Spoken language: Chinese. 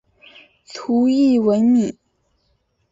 卒谥文敏。